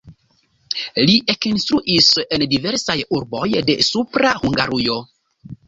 Li ekinstruis en diversaj urboj de Supra Hungarujo.